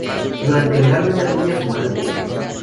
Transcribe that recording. Durante "Legalmente Rubia", su madre murió.